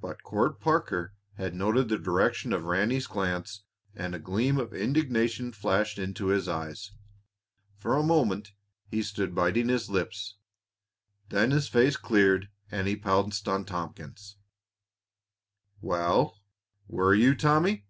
But Court Parker had noted the direction of Ranny's glance, and a gleam of indignation flashed into his eyes. For a moment he stood biting his lips; then his face cleared and he pounced on Tompkins. "Well, were you, Tommy!"